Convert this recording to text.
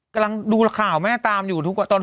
กำลังดูราข่าวแม่ตามอยู่